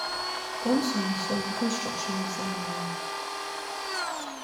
Gongsun saw the construction of Xiangyang.